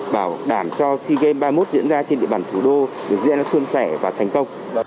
bảo đảm cho sea games ba mươi một diễn ra trên địa bàn thủ đô được diễn ra xuân sẻ và thành công